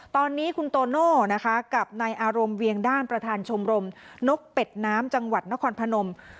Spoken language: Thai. ตอนนี้คุณโตโน่นะคะกับนายอารมณ์เวียงด้านประธานชมรมนกเป็ดน้ำจังหวัดนครพนม